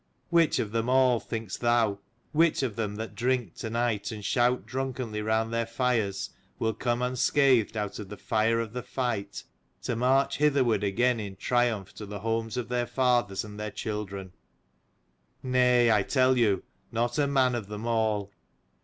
Which of them all, think'st thou, which of them that drink to night and shout drunkenly round their fires, will come unscathed out of the fire of the fight, to march hitherward again in triumph to the homes of their fathers and their children ? Nay, I tell you, not a man of them all.